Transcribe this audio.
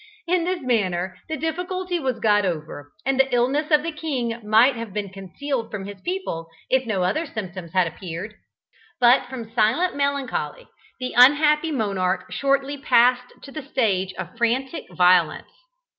In this manner the difficulty was got over, and the illness of the king might have been concealed from his people if no other symptoms had appeared. But from silent melancholy the unhappy monarch shortly passed to the stage of frantic violence.